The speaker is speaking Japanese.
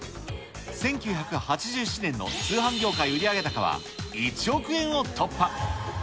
１９８７年の通販業界売上高は、１億円を突破。